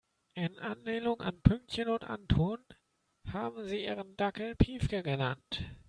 In Anlehnung an Pünktchen und Anton haben sie ihren Dackel Piefke genannt.